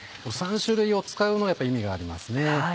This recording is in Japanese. ３種類を使うのはやっぱ意味がありますね。